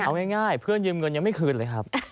เอาง่ายเพื่อนยืมเงินยังไม่คืนเลยครับ